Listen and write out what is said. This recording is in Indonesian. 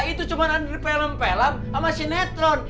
itu cuma ada film film sama sinetron